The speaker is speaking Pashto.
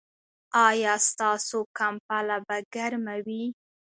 ایا ستاسو کمپله به ګرمه وي؟